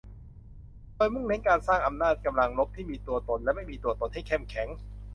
โดยมุ่งเน้นการสร้างอำนาจกำลังรบที่มีตัวตนและไม่มีตัวตนให้เข้มแข็ง